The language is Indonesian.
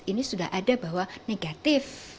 ini sudah ada bahwa negatif